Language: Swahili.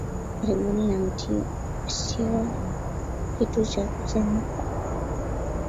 karibuni wa mti sio kitu cha kucheza kwa